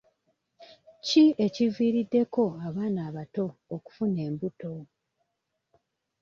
Ki ekiviiriddeko abaana abato okufuna embuto?